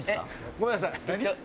ごめんなさい。